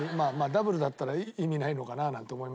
ダブルだったら意味ないのかななんて思いましたけど。